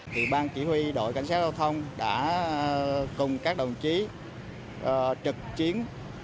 thì ban chỉ huy đội cảnh sát giao thông đã cùng các đồng chí trực chiến